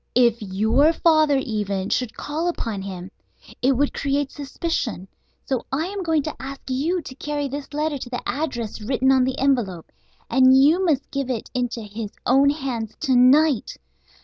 If your father, even, should call upon him it would create suspicion. So I am going to ask you to carry this letter to the address written on the envelope, and you must give it into his own hands to night.